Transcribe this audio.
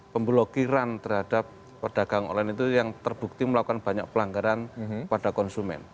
pemblokiran terhadap pedagang online itu yang terbukti melakukan banyak pelanggaran pada konsumen